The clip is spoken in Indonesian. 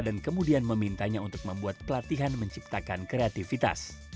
dan kemudian memintanya untuk membuat pelatihan menciptakan kreativitas